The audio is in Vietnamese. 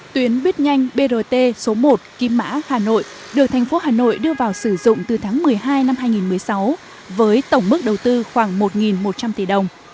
tuyến buýt nhanh brt số một kim mã hà nội được thành phố hà nội đưa vào sử dụng từ tháng một mươi hai năm hai nghìn một mươi sáu với tổng mức đầu tư khoảng một một trăm linh tỷ đồng